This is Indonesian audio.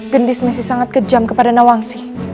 gendis masih sangat kejam kepada nawang sih